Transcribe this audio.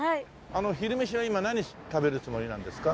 あの昼飯は今何食べるつもりなんですか？